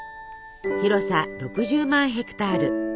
広さ６０万ヘクタール。